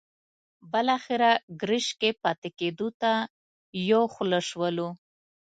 بالاخره ګرشک کې پاتې کېدو ته یو خوله شولو.